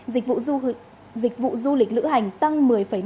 dịch vụ du lịch lữ hành tăng một mươi năm